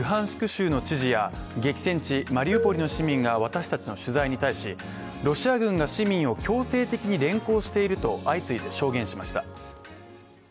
州の知事や激戦地マリウポリの市民が私たちの取材に対しロシア軍が市民を強制的に連行していると相次いで証言しました。